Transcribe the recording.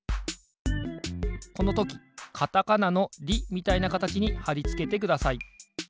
このときカタカナの「リ」みたいなかたちにはりつけてください。